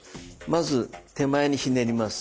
まず手前にひねります。